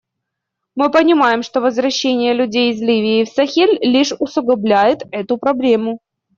Мы понимаем, что возвращение людей из Ливии в Сахель лишь усугубляет эту проблему.